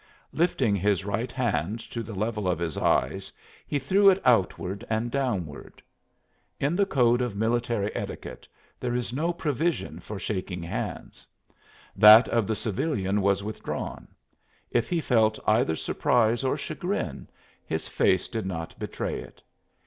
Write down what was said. Lifting his right hand to the level of his eyes he threw it outward and downward. In the code of military etiquette there is no provision for shaking hands. That of the civilian was withdrawn. If he felt either surprise or chagrin his face did not betray it.